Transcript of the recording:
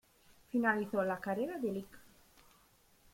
Finalizó la carrera de Lic.